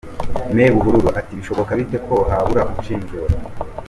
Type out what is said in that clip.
Me Buhuru ati : “Bishoboka bite ko habura ushinjura ?